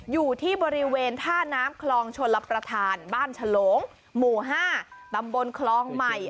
อยู่ที่บริเวณท่าน้ำคลองชลประธานบ้านฉลงหมู่๕ตำบลคลองใหม่